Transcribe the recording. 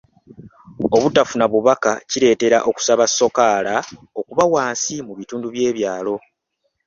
Obutafuna bubaka kireetera okusaba sokaala okuba wansi mu bitundu by'ebyalo.